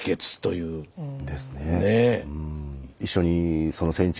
うん。